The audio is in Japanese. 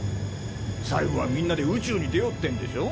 最後はみんなで宇宙に出ようってんでしょ？